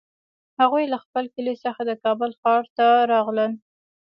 هغوی له خپل کلي څخه د کابل ښار ته راغلل